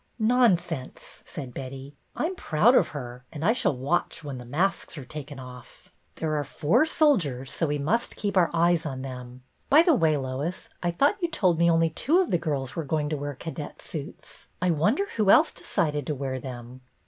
"Nonsense," said Betty, "I'm proud of her, and I shall watch when the masks are taken BETTY BAIRD 246 off. There are four soldiers, so we must keep our eyes on them. By the way, Lois, I thought you told me only two of the girls were going to wear cadet suits. I wonder who else decided to wear them."